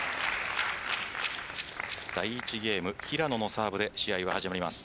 第１ゲーム、平野のサーブで試合は始まります。